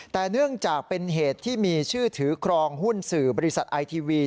แต่เนื่องจากเป็นเหตุที่มีชื่อถือครองหุ้นสื่อบริษัทไอทีวี